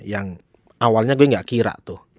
yang awalnya gue gak kira tuh